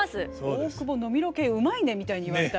「大久保飲みロケうまいね」みたいに言われたら。